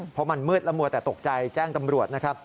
เพราะมันมืดละมัวแต่ตกใจแจ้งตำรวจนะครับ